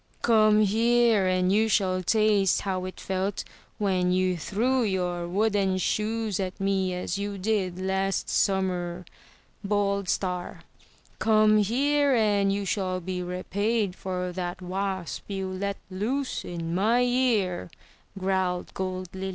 "Come here, and you shall taste how it felt when you threw your wooden shoes at me, as you did last summer!" bawled Star. "Come here, and you shall be repaid for that wasp you let loose in my ear!" growled Gold Lily.